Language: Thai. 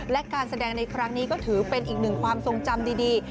และการแสดงในครั้งนี้ก็ถือเป็นอีกหนึ่งความทรงจำดี